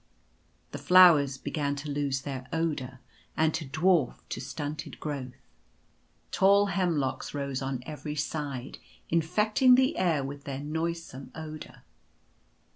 The flowers began to lose their odour, and to dwarf to stunted growth. Tall \ T/ie Night falls. 1 43 hemlocks rose on every side, infecting the air with their noisome odour.